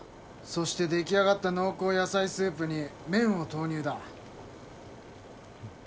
そして出来上がった濃厚野菜スープに麺を投入だ。